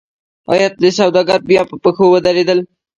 آیا سوداګر بیا په پښو ودرېدل؟